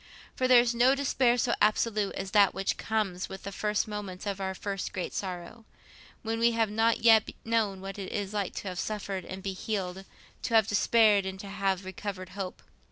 For there is no despair so absolute as that which comes with the first moments of our first great sorrow, when we have not yet known what it is to have suffered and be healed, to have despaired and to have recovered hope.